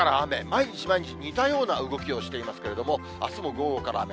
毎日毎日、似たような動きをしていますけれども、あすも午後から雨。